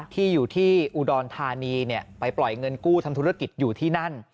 ที่อยู่ที่อุดรธานีไปปล่อยเงินกู้ทำธุรกิจอยู่ที่นั่น